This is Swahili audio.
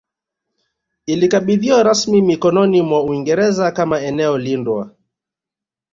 Ilikabidhiwa rasmi mikononi mwa Uingereza kama eneo lindwa